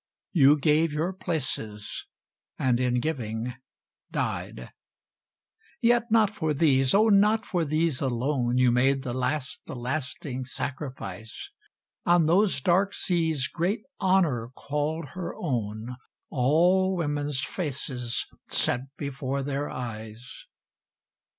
You gave your places, and in giving died ! Yet not for these, oh, not for these alone. You made the last, the lasting sacrifice ! On those dark seas great Honor called her own, All women's faces set before their eyes!